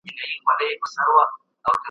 شعر د ژوند حقایق ښکاره کوي.